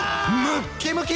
ムッキムキ！」